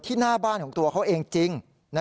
หน้าบ้านของตัวเขาเองจริง